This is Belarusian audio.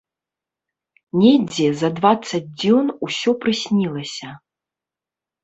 Недзе за дваццаць дзён усё прыснілася.